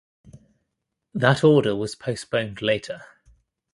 That order was postponed later.